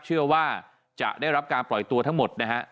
เชื่อว่าจะได้รับการปล่อยตัวทั้งหมดนะฮะ